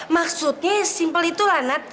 maksudnya simple itu lanet